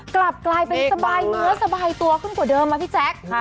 กลับกลายเป็นสบายเนื้อสบายตัวขึ้นกว่าเดิมนะพี่แจ๊ค